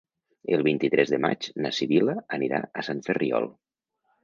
El vint-i-tres de maig na Sibil·la anirà a Sant Ferriol.